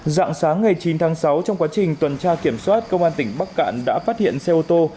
dạng sáng ngày chín tháng sáu trong quá trình tuần tra kiểm soát công an tỉnh bắc cạn đã phát hiện xe ô tô